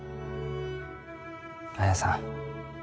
綾さん。